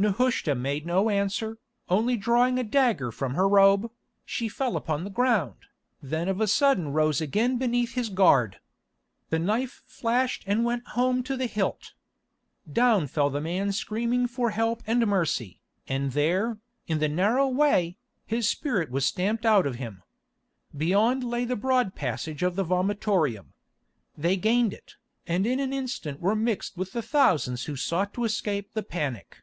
Nehushta made no answer, only drawing a dagger from her robe, she fell upon the ground, then of a sudden rose again beneath his guard. The knife flashed and went home to the hilt. Down fell the man screaming for help and mercy, and there, in the narrow way, his spirit was stamped out of him. Beyond lay the broad passage of the vomitorium. They gained it, and in an instant were mixed with the thousands who sought to escape the panic.